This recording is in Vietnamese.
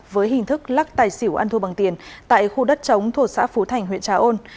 với hình thức lắc tài xỉu ăn thua bằng tiền tại khu đất chống thuộc xã phú thành huyện trà ôn